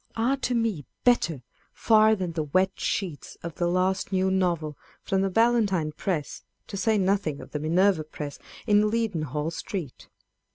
are to me bettor far than the wet sheets of the last new novel from the Ballantyne press, to say nothing of the Minerva press in Leadenhall Street.